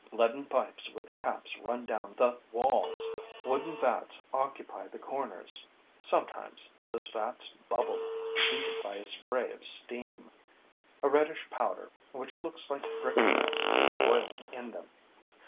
Leaden pipes with taps run down the walls; wooden vats occupy the corners. Sometimes, those vats bubble, heated by a spray of steam. A reddish powder, which looks like brick dust, is boiling in them.